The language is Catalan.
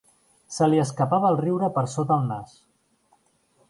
Se li escapava el riure per sota el nas.